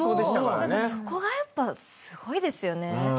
そこがやっぱすごいですよね。